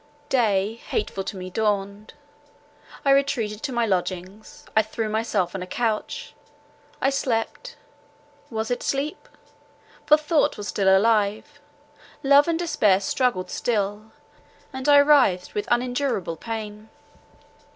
Day, hateful to me, dawned; I retreated to my lodgings—I threw myself on a couch—I slept—was it sleep?—for thought was still alive—love and despair struggled still, and I writhed with unendurable pain.